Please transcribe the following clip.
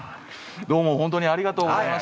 どうも本当にありがとうございました。